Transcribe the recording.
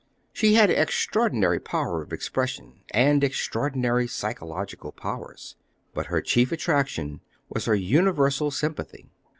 She had extraordinary power of expression, and extraordinary psychological powers, but her chief attraction was her universal sympathy.